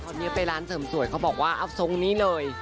เค้าเลยไปร้านเสริมสวยเค้าบอกว่าเอ้าทรงนี้เลย